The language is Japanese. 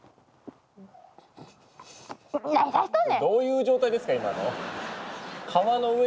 どういう状態ですか今の。